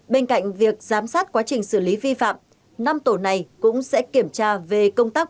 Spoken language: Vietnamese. bên cạnh việc giám sát quá trình xử lý vi phạm năm tổ này cũng sẽ kiểm tra về công tác